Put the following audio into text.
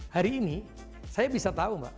hari ini saya bisa tahu mbak